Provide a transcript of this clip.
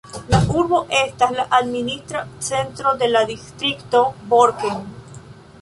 La urbo estas la administra centro de la distrikto Borken.